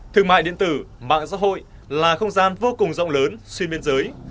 thương mại điện tử mạng xã hội là không gian vô cùng rộng lớn xuyên biên giới